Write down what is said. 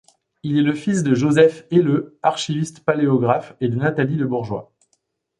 Il est le fils de Joseph Helleu, Archiviste paléographe, et de Nathalie Le Bourgeois.